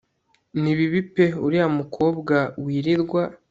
nibibi pe uriya mukobwa wirirwa